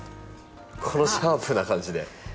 このシャープな感じで。